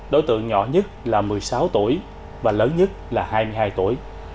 đối tượng nhỏ nhất là một mươi sáu tuổi và lớn nhất là hai mươi hai tuổi